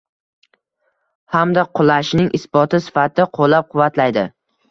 hamda qulashining isboti sifatida qo‘llab-quvvatlaydi.